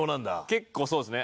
結構そうですね。